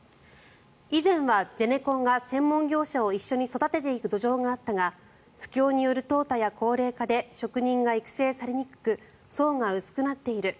以前はゼネコンが専門業者が一緒に育てていく土壌があったが不況によるとう汰や高齢化で職人が育成されにくく層が薄くなっている。